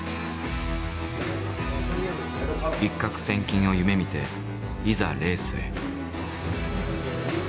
一獲千金を夢みていざレースへ。